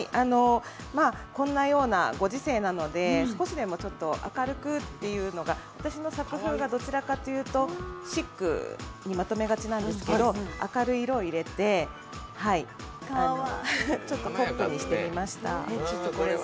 こんなご時世なので、少しでも明るくという私の作風がどちらかというとシックにまとめがちなんですけど明るい色を入れて、ちょっとポップにしてみました。